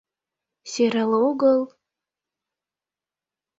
Сӧрал огыл...